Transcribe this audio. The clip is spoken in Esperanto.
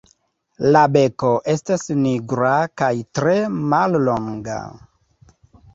La beko estas nigra kaj tre mallonga.